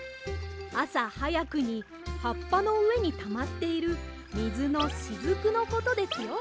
あさはやくにはっぱのうえにたまっているみずのしずくのことですよ。